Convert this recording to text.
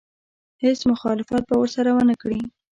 هېڅ مخالفت به ورسره ونه کړي.